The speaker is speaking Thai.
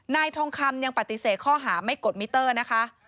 ทองคำยังปฏิเสธข้อหาไม่กดมิเตอร์นะคะ